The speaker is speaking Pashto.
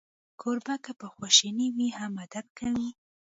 کوربه که په خواشینۍ وي، هم ادب کوي.